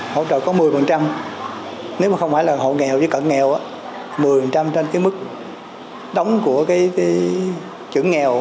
hỗ trợ có một mươi nếu mà không phải là hộ nghèo với cận nghèo một mươi trên mức đóng của chủ nghèo